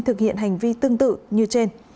thực hiện hành vi tương tự như trên